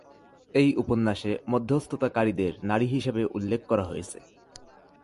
এই উপন্যাসে মধ্যস্থতাকারীদের নারী হিসেবে উল্লেখ করা হয়েছে।